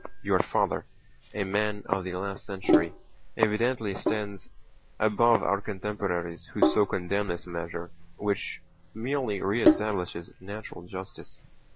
"Your father, a man of the last century, evidently stands above our contemporaries who so condemn this measure which merely re establishes natural justice."